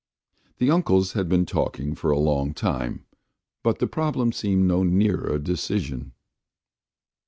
The uncles had been talking for a long time, but the problem seemed no nearer decision.